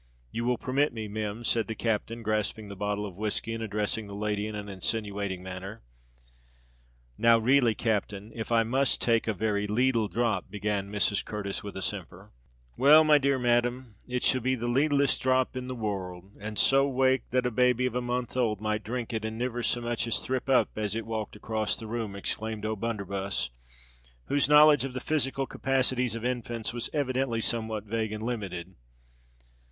"You will permit me, Mim!" said the captain, grasping the bottle of whiskey, and addressing the lady in an insinuating manner. "Now, really, captain—if I must take a very leetle drop——" began Mrs. Curtis, with a simper. "Well, my dear madam, it shall be the leetlest dhrop in the wor rld, and so wake that a baby of a month old might dhrink it and niver so much as thrip up as it walked across the room," exclaimed O'Blunderbuss, whose knowledge of the physical capacities of infants was evidently somewhat vague and limited.